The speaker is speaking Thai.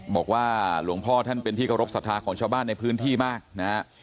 บอกว่าหลวงพ่อท่านเป็นที่เคารพสัทธาของชาวบ้านในพื้นที่มากนะฮะ